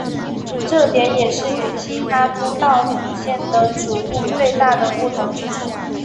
这点也是与其他都道府县的煮物最大的不同之处。